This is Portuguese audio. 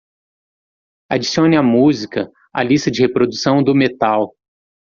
Adicione a música à lista de reprodução do Metal.